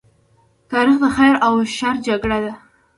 تاریخ د خیر او شر جګړه ده.